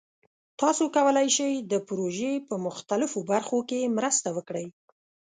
تاسو کولی شئ د پروژې په مختلفو برخو کې مرسته وکړئ.